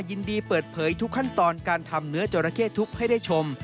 ยินดีเปิดเผยทุกขั้นตอนการทำเนื้อจราเข้ทุกข์ให้ได้ชม